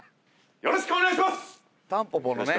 よろしくお願いします。